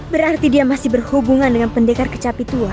berarti dia masih berhubungan dengan pendekar kecapi tua